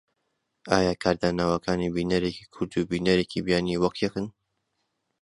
ئایا کاردانەوەکانی بینەرێکی کورد و بینەرێکی بیانی وەک یەکن؟